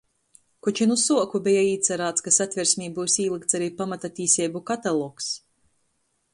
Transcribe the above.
Koč i nu suoku beja īcarāts, ka Satversmē byus īlykts ari pamata tīseibu katalogs,